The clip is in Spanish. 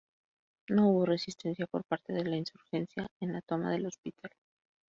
No hubo resistencia por parte de la insurgencia en la toma del hospital.